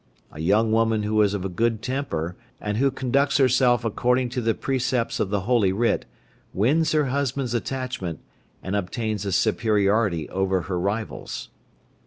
A young woman who is of a good temper, and who conducts herself according to the precepts of the Holy Writ, wins her husband's attachment, and obtains a superiority over her rivals.